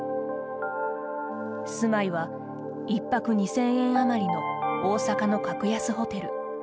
住まいは１泊２０００円余りの大阪の格安ホテル。